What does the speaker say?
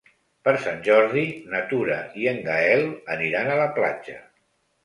Per Sant Jordi na Tura i en Gaël aniran a la platja.